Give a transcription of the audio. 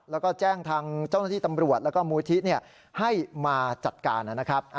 แล้วก็แจ้งทางเจ้าหน้าที่ตำรวจแล้วก็มูลที่ให้มาจัดการนะครับ